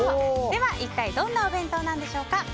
では一体どんなお弁当なんでしょうか。